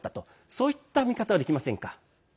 そういった見方はできませんか？